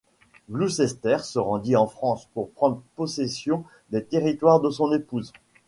Gloucester se rendit en France pour prendre possession des territoires de son épouse.